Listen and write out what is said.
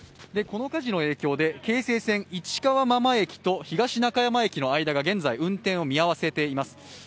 この火事の影響で京成線市川真間駅と市川中山駅の間で現在、運転を見合わせています。